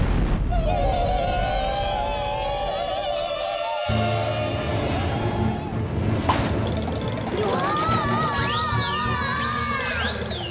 うわ！